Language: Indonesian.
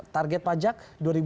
target pajak dua ribu delapan belas